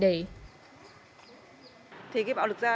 thì cái bạo lực gia đình rất khó để giải quyết triệt để